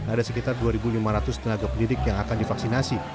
ada sekitar dua lima ratus tenaga pendidik yang akan divaksinasi